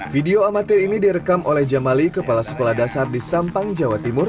video amatir ini direkam oleh jamali kepala sekolah dasar di sampang jawa timur